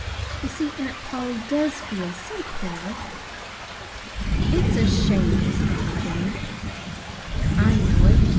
You see, Aunt Polly does feel so poor!" "It's a shame!" stormed Jimmy. "I know it.